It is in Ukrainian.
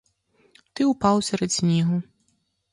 Ти упав серед снігу.